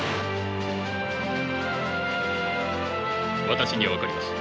私には分かります。